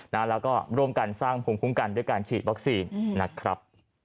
แล้วก็ร่วมกันสร้างภูมิคุ้มกันด้วยการฉีดวัคซีนนะครับ